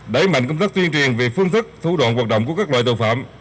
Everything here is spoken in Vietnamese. đẩy mạnh công tác tuyên truyền về phương thức thủ đoạn hoạt động của các loại tội phạm